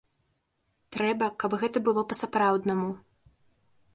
Трэба, каб гэта было па-сапраўднаму.